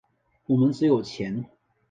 我们只有钱。